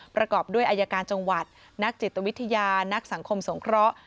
ประกอบด้วยอายการจังหวัดนักจิตวิทยานักสังคมสงเคราะห์